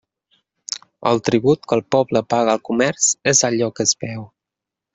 El tribut que el poble paga al comerç és allò que es veu.